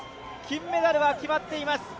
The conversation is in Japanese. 金メダルは決まっています。